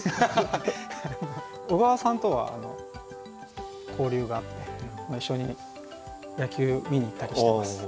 小川さんとは交流があって一緒に野球見に行ったりしてます。